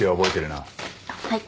はい。